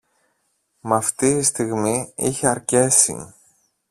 Μ' αυτή η στιγμή είχε αρκέσει.